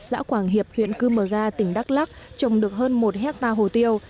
xã quảng hiệp huyện cư mờ ga tỉnh đắk lắc trồng được hơn một hectare hồ tiêu